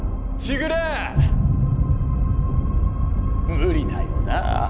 無理だよな？